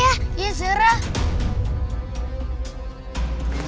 ya saya berhenti